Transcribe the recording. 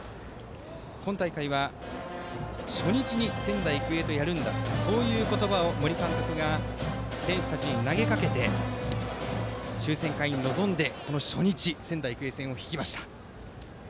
今大会は初日に仙台育英とやるんだそういう言葉を森監督が選手たちに投げかけて抽選会に臨んで、初日仙台育英戦を引きました。